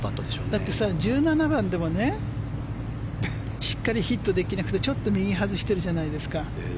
だって、１７番でもしっかりヒットできなくてちょっと右に外してるじゃないですか